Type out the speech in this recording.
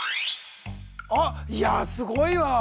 あっいやあすごいわ！